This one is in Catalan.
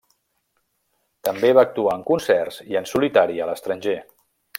També va actuar en concerts i en solitari a l'estranger.